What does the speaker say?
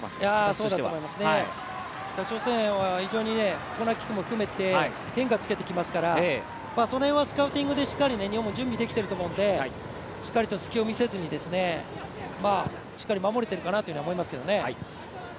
そうだと思いますね、北朝鮮は非常にコーナーキックも含めて変化つけてきますからその辺はスカウティングで日本もしっかり準備できていると思うので、しっかりと隙を見せずに、しっかり守れているかなと思いますけどね。